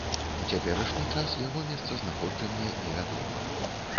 У цяперашні час яго месцазнаходжанне невядома.